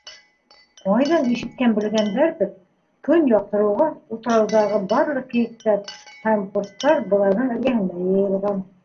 Ҡайҙан ишеткән-белгәндәрҙер, көн яҡтырыуға утрауҙағы барлыҡ кейектәр һәм ҡоштар быларҙың эргәһенә йыйылған.